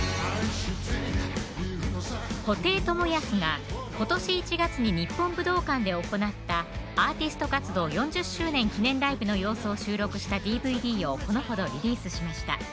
布袋寅泰が今年１月に日本武道館で行ったアーティスト活動４０周年記念ライブの様子を収録したＤＶＤをこのほどリリースしました